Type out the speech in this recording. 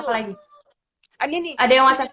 apa lagi ini ini ada yang ucap